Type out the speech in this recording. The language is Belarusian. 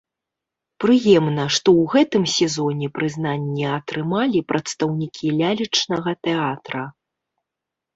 Прыемна, што ў гэтым сезоне прызнанне атрымалі прадстаўнікі лялечнага тэатра.